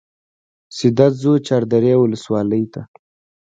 سیده ځو چاردرې ولسوالۍ ته.